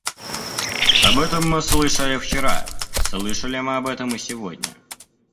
Об этом мы слышали вчера, слышали мы об этом и сегодня.